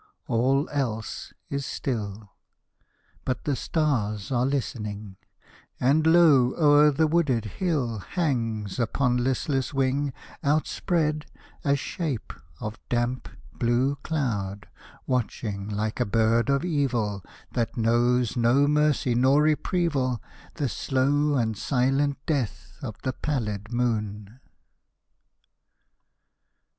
All else is still. But the stars are listening; And low o'er the wooded hill Hangs, upon listless wing Outspread, a shape of damp, blue cloud, Watching, like a bird of evil That knows no mercy nor reprieval, The slow and silent death of the pallid moon.